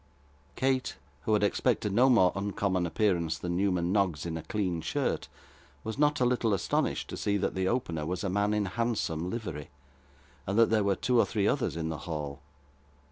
Kate, who had expected no more uncommon appearance than Newman Noggs in a clean shirt, was not a little astonished to see that the opener was a man in handsome livery, and that there were two or three others in the hall.